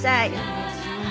お願いします。